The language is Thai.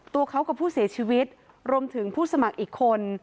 ตัวเขากับผู้เสียชีวิตรวมถึงผู้สมัครอีกคน